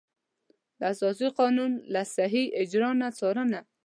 د اساسي قانون له صحیح اجرا نه څارنه.